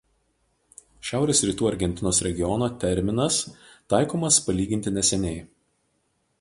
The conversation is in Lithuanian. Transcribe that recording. Šiaurės Rytų Argentinos regiono terminas taikomas palyginti neseniai.